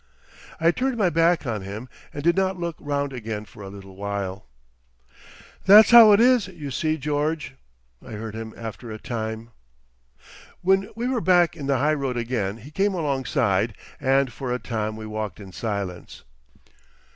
I turned my back on him, and did not look round again for a little while. "That's how it is, you see, George." I heard him after a time. When we were back in the high road again he came alongside, and for a time we walked in silence.